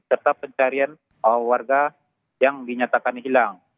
serta pencarian warga yang dinyatakan hilang